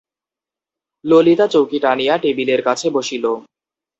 ললিতা চৌকি টানিয়া টেবিলের কাছে বসিল।